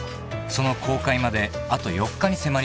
［その公開まであと４日に迫りました］